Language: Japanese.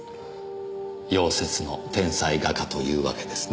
夭折の天才画家というわけですね。